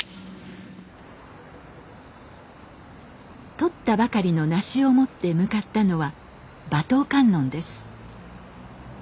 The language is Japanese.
とったばかりのナシを持って向かったのは馬頭観音です。